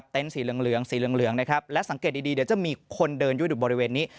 สีเหลืองสีเหลืองนะครับและสังเกตดีเดี๋ยวจะมีคนเดินยืดอยู่บริเวณนี้